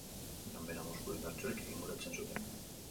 Ganbera muskulu indartsuek inguratzen zuten.